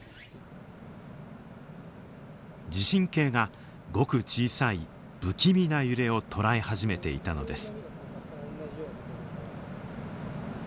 地震計がごく小さい不気味な揺れを捉え始めていたのです。